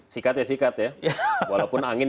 sikat ya sikat ya walaupun angin